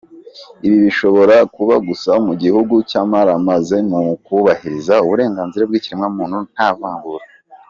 Ibi bishobora kuba gusa mu gihugu cyamaramaze mu kubahiriza uburenganzira bw’ikiremwamuntu nta vangura.”